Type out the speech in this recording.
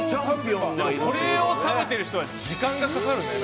これを食べてる人は時間がかかるんだね。